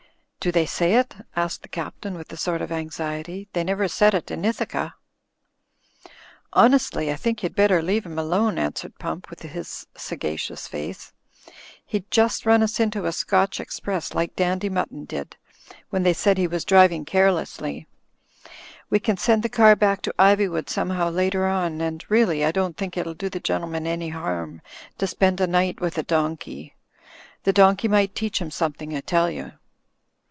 "Do they say it?" asked the Captain, with a sort of anxiety. "They never said it in Ithaca." "Honestly, I think you'd better leave him alone," answered Pump, with his sagacious face. "He'd just run us into a Scotch Express like Dandy Mutton did, THE SONGS OF THE CAR CLUB 179 when they said he was driving carelessly. We can send the car back to Iv3nvood somehow later on, and really, I don't think it'll do the gentleman any harm to spend a night with a donkey. The donkey might teach him something, I tell you."